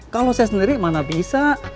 kalau saya sendiri mana bisa